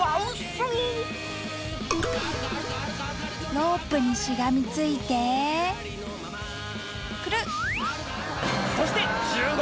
ロープにしがみついてくるん！